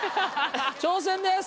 挑戦です！